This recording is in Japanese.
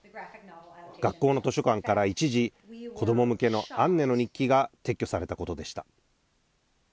学校の図書館から一時子ども向けのアンネの日記が撤去されたことでした。